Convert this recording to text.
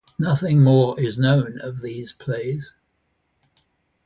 Nothing more is known of these plays.